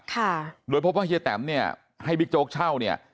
ค่ะโดยพบว่าเฮียแตมเนี่ยให้บิ๊กโจ๊กเช่าเนี่ย